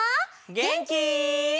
げんき？